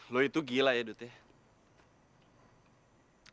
lo itu gila ya dut ya